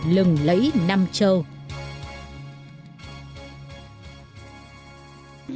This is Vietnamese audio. lừng lấy năm trâu